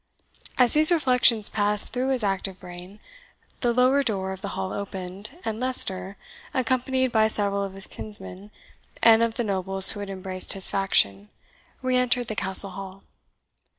As these reflections passed through his active brain, the lower door of the hall opened, and Leicester, accompanied by several of his kinsmen, and of the nobles who had embraced his faction, re entered the Castle Hall.